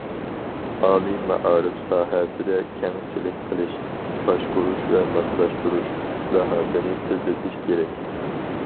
ئالىي مائارىپ ساھەسىدە:« كەڭچىلىك قىلىش، باشقۇرۇش ۋە ماسلاشتۇرۇش» ئىسلاھاتىنى تېزلىتىش كېرەك.